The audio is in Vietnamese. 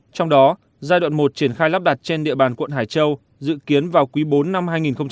trong đó giai đoạn một triển khai lắp đặt trên địa bàn quận hải châu dự kiến vào quý bốn năm hai nghìn hai mươi